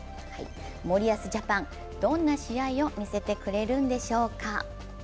森保ジャパンはどんな試合を見せてくれるんでしょうか。